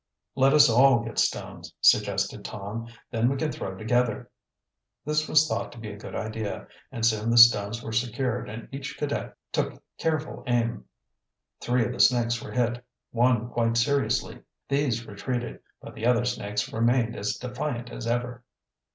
"Let us all get stones," suggested Tom. "Then we can throw together." This was thought to be a good idea, and soon the stones were secured and each cadet took careful aim. Three of the snakes were hit, one quite seriously. These retreated, but the other snakes remained as defiant as ever.